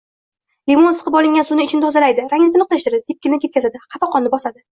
Limon siqib olingan suvi ichni tozalaydi, rangni tiniqlashtiradi, sepkilni ketkazadi, xafaqonni bosadi.